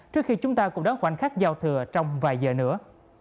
trước khi chúng ta cũng đón khoảnh khắc giao thừa trong vài giờ nữa